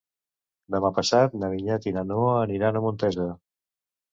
Demà passat na Vinyet i na Noa aniran a Montesa.